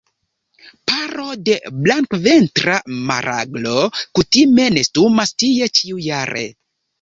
Paro de Blankventra maraglo kutime nestumas tie ĉiujare.